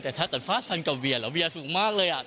แต่ถ้าเกิดฟาดฟันกับเวียแล้วเวียสูงมากเลย